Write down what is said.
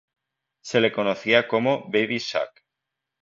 Se le conocía como "Baby Shaq".